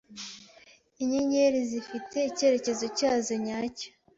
Inyenyeri zifite icyerekezo cyazo nyacyo